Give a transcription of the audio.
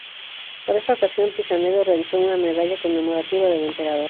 Para esta ocasión, Pisanello realizó una medalla conmemorativa del emperador.